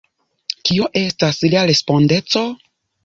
Kio estas lia respondeco?